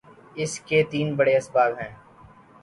اس کے تین بڑے اسباب ہیں۔